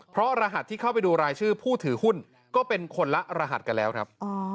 เพราะรหัสที่เข้าไปดูรายชื่อผู้ถือหุ้นก็เป็นคนละรหัสกันแล้วครับ